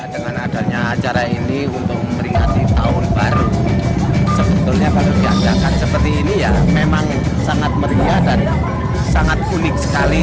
dengan adanya acara ini untuk memperingati tahun baru sebetulnya kalau diadakan seperti ini ya memang sangat meriah dan sangat unik sekali